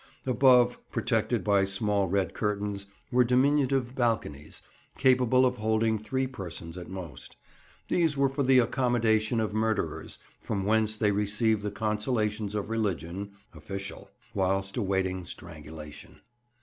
Above, protected by small red curtains, were diminutive balconies, capable of holding three persons at most; these were for the accommodation of murderers, from whence they receive the consolations of religion (official) whilst awaiting strangulation.